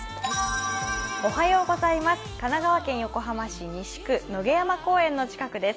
神奈川県横浜市西区、野毛山公園の近くです。